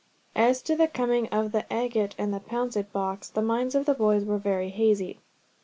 As to the coming of the agate and the pouncet box, the minds of the boys were very hazy.